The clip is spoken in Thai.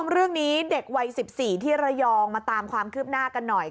เรื่องนี้เด็กวัย๑๔ที่ระยองมาตามความคืบหน้ากันหน่อย